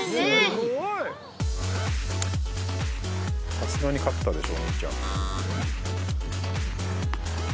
さすがに勝ったでしょお兄ちゃん。